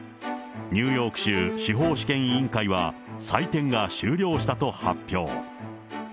ニューヨーク州司法試験委員会は、採点が終了したと発表。